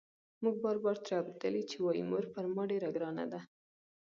موږ بار بار ترې اورېدلي چې وايي مور پر ما ډېره ګرانه ده.